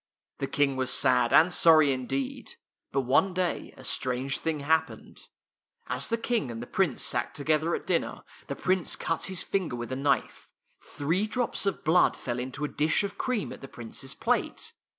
The King was sad and sorry indeed. But one day a strange thing happened. As the King and the Prince sat together at dinner, the Prince cut his finger with a knife. Three drops of blood fell into a dish of cream at the Prince's plate.